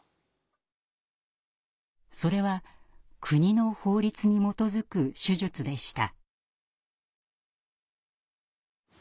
それは国の法律に基づく手術でした。